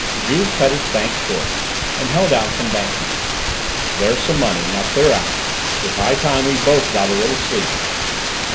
Juve cut his thanks short, and held out some bank notes. "There's some money; now clear out; it's high time we both got a little sleep.